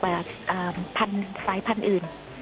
กว่าสายพันธุ์อื่น